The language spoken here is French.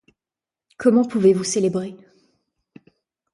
Comment pouvez-vous célébrer?